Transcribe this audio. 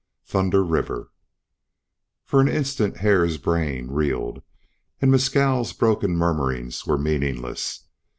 THUNDER RIVER FOR an instant Hare's brain reeled, and Mescal's broken murmurings were meaningless.